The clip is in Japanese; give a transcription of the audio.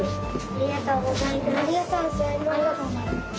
ありがとうございます。